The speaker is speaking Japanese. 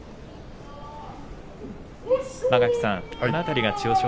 間垣さん、この辺りが千代翔